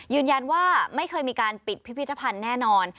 ยืนยันว่าไม่เคยมีการปิดพิพิธภัณฑ์แน่นอน